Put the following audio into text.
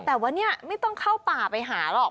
แต่ว่าเนี่ยไม่ต้องเข้าป่าไปหาหรอก